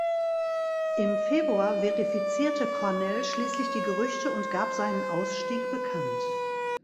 Im Februar verifizierte Cornell schließlich die Gerüchte und gab seinen Ausstieg bekannt.